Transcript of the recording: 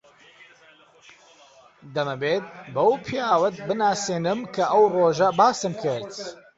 دەمەوێت بەو پیاوەت بناسێنم کە ئەو ڕۆژە باسم کرد.